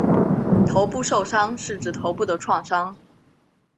头部受伤是指头部的创伤。